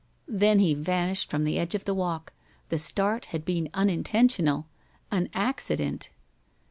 Then he vanished from the edge of the walk. The start had been unintentional an accident.